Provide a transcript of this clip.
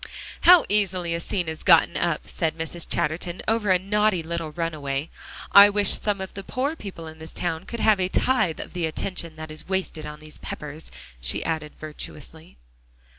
"How easily a scene is gotten up," said Mrs. Chatterton, "over a naughty little runaway. I wish some of the poor people in this town could have a tithe of the attention that is wasted on these Peppers," she added virtuously.